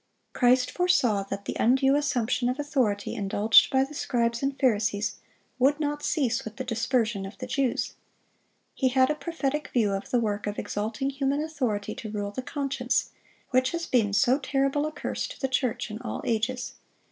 Christ foresaw that the undue assumption of authority indulged by the scribes and Pharisees would not cease with the dispersion of the Jews. He had a prophetic view of the work of exalting human authority to rule the conscience, which has been so terrible a curse to the church in all ages.